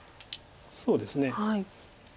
そうですね。